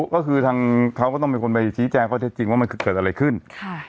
ก็คือทางเขาก็ต้องเป็นคนไปชี้แจงข้อเท็จจริงว่ามันเกิดอะไรขึ้นค่ะ